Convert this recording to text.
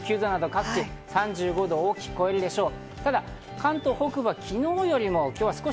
各地３５度を大きく超えるでしょう。